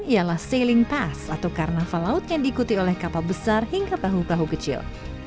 ialah sailing pass atau karnaval laut yang diikuti oleh kapal besar hingga perahu perahu kecil